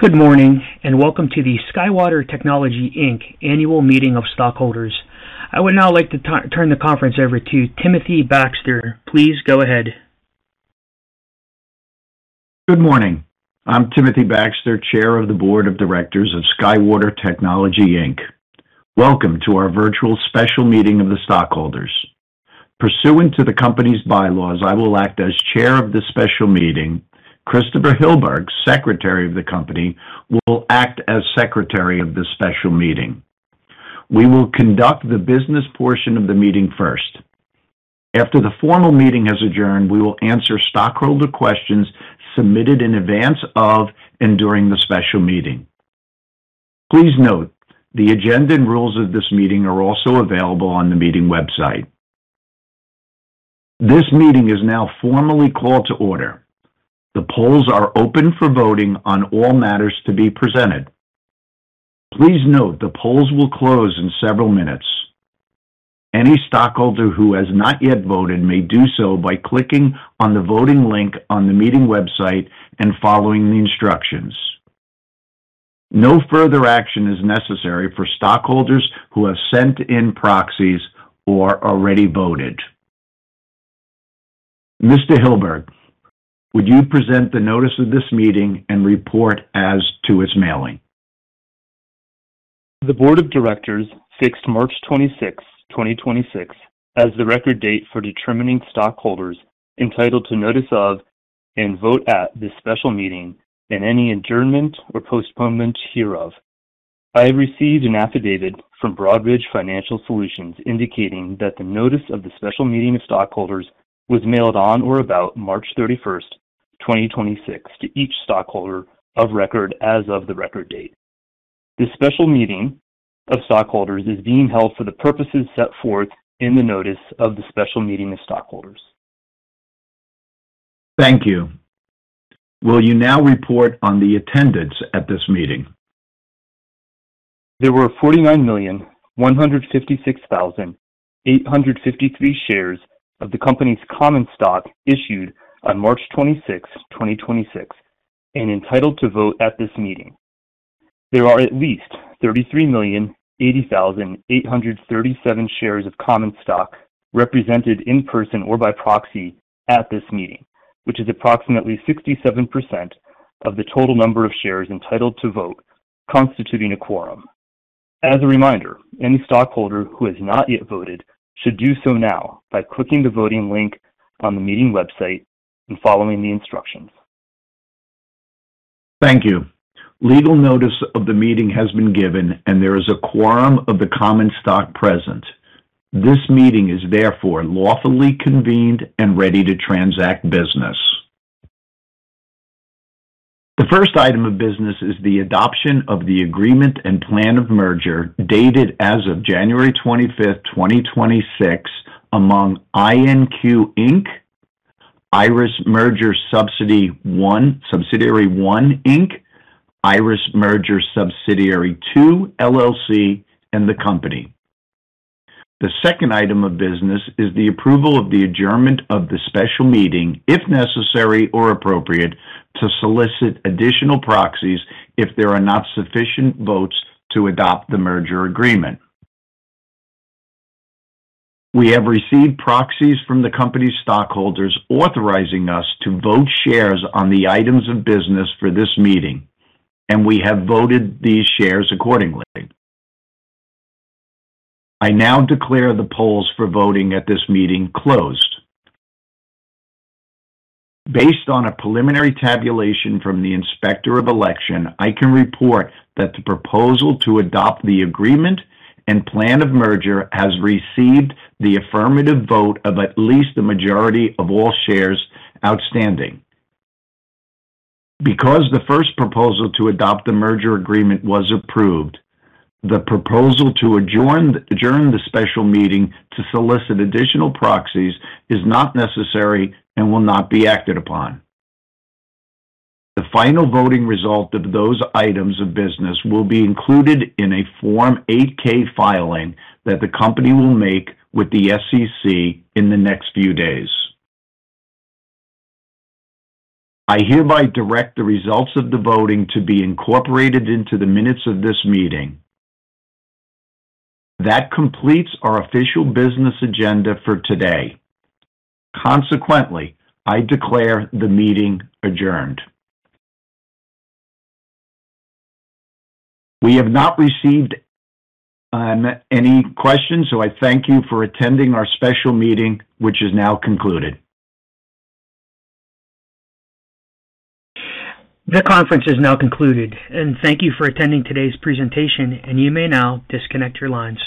Good morning. Welcome to the SkyWater Technology, Inc. Annual Meeting of Stockholders. I would now like to turn the conference over to Timothy E. Baxter. Please go ahead. Good morning. I'm Timothy Baxter, chair of the board of directors of SkyWater Technology, Inc. Welcome to our virtual special meeting of the stockholders. Pursuant to the company's bylaws, I will act as chair of the special meeting. Christopher Hilberg, secretary of the company, will act as secretary of the special meeting. We will conduct the business portion of the meeting first. After the formal meeting has adjourned, we will answer stockholder questions submitted in advance of and during the special meeting. Please note, the agenda and rules of this meeting are also available on the meeting website. This meeting is now formally called to order. The polls are open for voting on all matters to be presented. Please note, the polls will close in several minutes. Any stockholder who has not yet voted may do so by clicking on the voting link on the meeting website and following the instructions. No further action is necessary for stockholders who have sent in proxies or already voted. Mr. Hilberg, would you present the notice of this meeting and report as to its mailing? The board of directors fixed 26 March 2026, as the record date for determining stockholders entitled to notice of and vote at this special meeting and any adjournment or postponement hereof. I have received an affidavit from Broadridge Financial Solutions indicating that the notice of the special meeting of stockholders was mailed on or about 31 March 2026, to each stockholder of record as of the record date. This special meeting of stockholders is being held for the purposes set forth in the notice of the special meeting of stockholders. Thank you. Will you now report on the attendance at this meeting? There were 49,156,853 shares of the company's common stock issued on 26th March 2026, and entitled to vote at this meeting. There are at least 33,080,837 shares of common stock represented in person or by proxy at this meeting, which is approximately 67% of the total number of shares entitled to vote, constituting a quorum. As a reminder, any stockholder who has not yet voted should do so now by clicking the voting link on the meeting website and following the instructions. Thank you. Legal notice of the meeting has been given, and there is a quorum of the common stock present. This meeting is therefore lawfully convened and ready to transact business. The first item of business is the adoption of the agreement and plan of merger dated as of 25th January 2026, among IonQ, Inc., Iris Merger Subsidiary 1 Inc., Iris Merger Subsidiary 2 LLC, and the company. The second item of business is the approval of the adjournment of the special meeting, if necessary or appropriate, to solicit additional proxies if there are not sufficient votes to adopt the merger agreement. We have received proxies from the company's stockholders authorizing us to vote shares on the items of business for this meeting, and we have voted these shares accordingly. I now declare the polls for voting at this meeting closed. Based on a preliminary tabulation from the inspector of election, I can report that the proposal to adopt the agreement and plan of merger has received the affirmative vote of at least the majority of all shares outstanding. Because the first proposal to adopt the merger agreement was approved, the proposal to adjourn the special meeting to solicit additional proxies is not necessary and will not be acted upon. The final voting result of those items of business will be included in a Form 8-K filing that the company will make with the SEC in the next few days. I hereby direct the results of the voting to be incorporated into the minutes of this meeting. That completes our official business agenda for today. Consequently, I declare the meeting adjourned. We have not received any questions, so I thank you for attending our special meeting, which is now concluded. The conference is now concluded, and thank you for attending today's presentation, and you may now disconnect your lines.